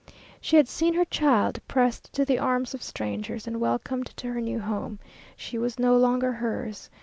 She had seen her child pressed to the arms of strangers, and welcomed to her new home. She was no longer hers.